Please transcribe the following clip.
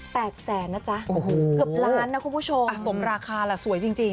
แสนนะจ๊ะโอ้โหเกือบล้านนะคุณผู้ชมสมราคาแหละสวยจริงจริง